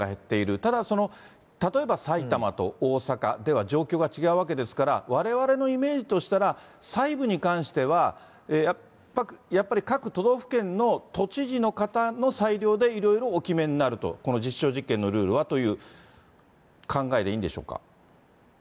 ただ、例えば埼玉と大阪では状況が違うわけですから、われわれのイメージとしたら、細部に関しては、やっぱり各都道府県の、都知事の方の裁量でいろいろお決めになると、この実証実験のルールはという考えでいいんでしょうか。